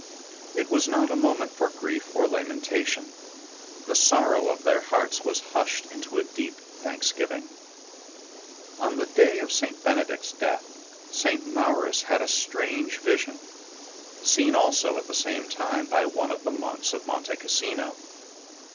It was not a moment for grief or lamentation; the sorrow of their hearts was hushed into a deep thanksgiving. On the day of St. Benedict's death St. Maurus had a strange vision, seen also at the same time by one of the monks of ]\Ionte Cassino.